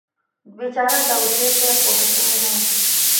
بیچاره داوودزی صیب پوه شوي نه و.